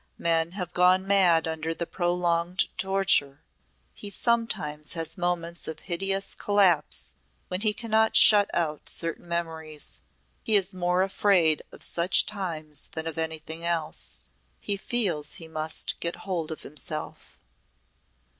Men have gone mad under the prolonged torture. He sometimes has moments of hideous collapse when he cannot shut out certain memories. He is more afraid of such times than of anything else. He feels he must get hold of himself."